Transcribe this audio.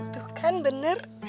tuh kan bener